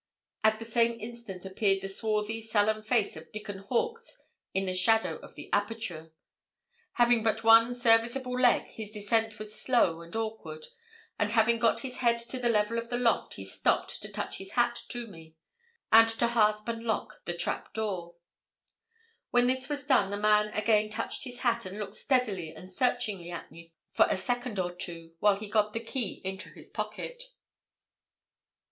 At the same instant appeared the swarthy, sullen face of Dickon Hawkes in the shadow of the aperture. Having but one serviceable leg, his descent was slow and awkward, and having got his head to the level of the loft he stopped to touch his hat to me, and to hasp and lock the trap door. When this was done, the man again touched his hat, and looked steadily and searchingly at me for a second or so, while he got the key into his pocket.